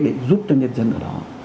để giúp cho nhân dân ở đó